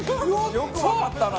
よくわかったな。